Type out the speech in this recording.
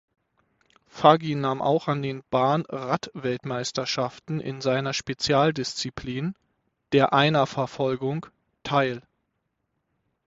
Faggin nahm auch an den Bahn-Radweltmeisterschaften in seiner Spezialdisziplin, der Einerverfolgung, teil.